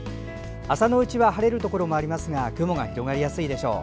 朝のうちは晴れるところもありますが雲が広がりやすいでしょう。